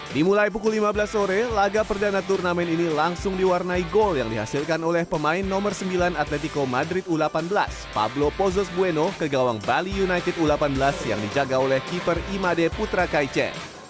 dimulai pukul lima belas sore laga perdana turnamen ini langsung diwarnai gol yang dihasilkan oleh pemain nomor sembilan atletico madrid u delapan belas pablo pozos bueno ke gawang bali united u delapan belas yang dijaga oleh keeper imade putra kaice